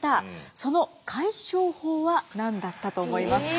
その解消法は何だったと思いますか？